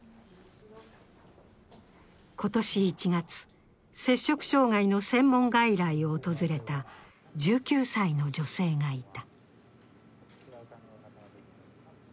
今年１月、摂食障害の専門外来を訪れた１９歳の女性がいた。